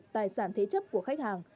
tài sản thế chấp của khách hàng